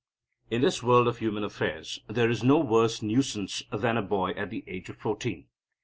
In this world of human affairs there is no worse nuisance than a boy at the age of fourteen.